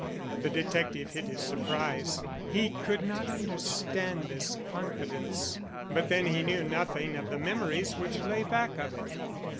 The detective hid his surprise. He could not understand this confidence. But then he knew nothing of the memories which lay back of it.